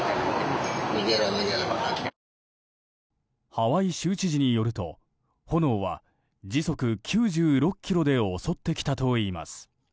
ハワイ州知事によると炎は時速９６キロで襲ってきたといいます。